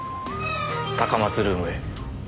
高松ルームへ。